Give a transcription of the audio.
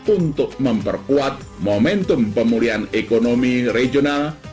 untuk memperkuat momentum pemulihan ekonomi regional